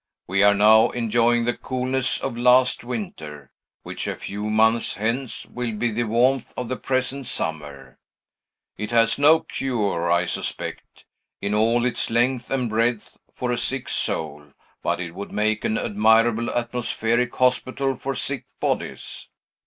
We are now enjoying the coolness of last winter, which, a few months hence, will be the warmth of the present summer. It has no cure, I suspect, in all its length and breadth, for a sick soul, but it would make an admirable atmospheric hospital for sick bodies.